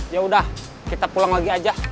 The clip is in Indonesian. yaudah kita pulang lagi aja